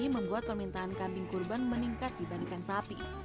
membuat permintaan kambing kurban meningkat dibandingkan sapi